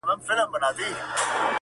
o شیرنۍ ته ریسوت وایې ډېر ساده یې,